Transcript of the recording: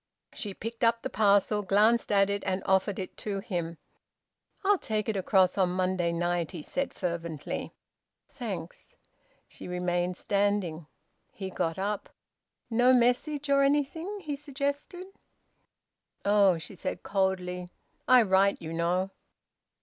She picked up the parcel, glanced at it, and offered it to him. "I'll take it across on Monday night," he said fervently. "Thanks." She remained standing; he got up. "No message or anything?" he suggested. "Oh!" she said coldly, "I write, you know."